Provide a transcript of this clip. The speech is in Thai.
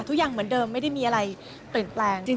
ทุกอย่างเหมือนเดิมไม่ได้มีอะไรเปลี่ยนแปลง